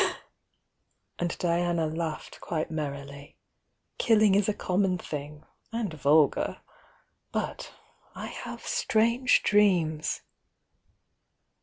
and Diana laughed quite merrily. "Kill mg is a common thing— and vulgar. But^I have strange dreams!"